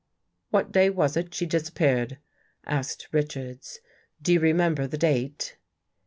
" What day was it she disappeared," asked Rich ards, " do you remember the date?